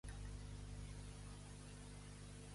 Quant faltava perquè marxés el ferrocarril?